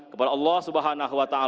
kepada allah swt